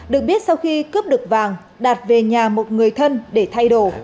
được biết sau khi cướp được vàng đạt về nhà một người thân để thay đồ